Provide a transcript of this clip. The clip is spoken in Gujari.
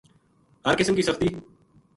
ہر قسم کی سختی